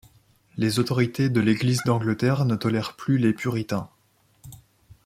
Les autorités de l'Église d’Angleterre ne tolèrent plus les puritains.